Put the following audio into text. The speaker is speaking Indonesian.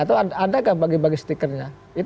atau ada nggak bagi bagi stikernya